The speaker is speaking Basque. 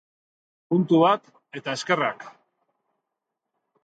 Puntu bat eta eskerrak!